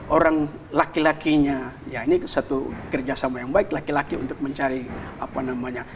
orang laki lakinya ya ini satu kerjasama yang baik laki laki untuk mencari apa namanya